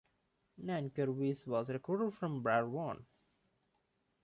Nankervis was recruited from Barwon.